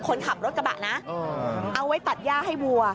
คนขับรถกระบะนะเอาไว้ตัดย่าให้วัว